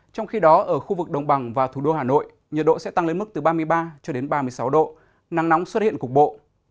trong khi đó ở khu vực đồng bằng và thủ đô hà nội nhiệt độ sẽ tăng lên mức từ ba mươi ba cho đến ba mươi sáu độ nắng nóng xuất hiện cục bộ